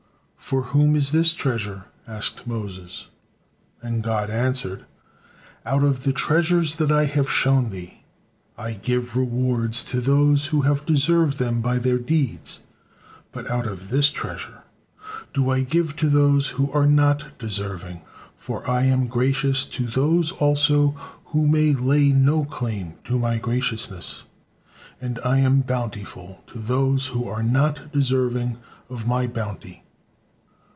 "For whom is this treasure?" asked Moses, and God answered: "Out of the treasures that I have shown thee I give rewards to those who have deserved them by their deeds; but out of this treasure do I give to those who are not deserving, for I am gracious to those also who may lay no claim to My graciousness, and I am bountiful to those who are not deserving of My bounty."